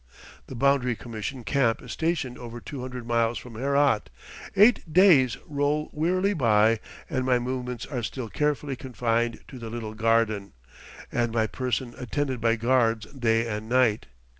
The Boundary Commission camp is stationed over two hundred miles from Herat; eight days roll wearily by and my movements are still carefully confined to the little garden, and my person attended by guards day and night.